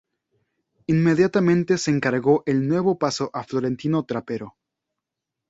Inmediatamente se encargó el nuevo paso a Florentino Trapero.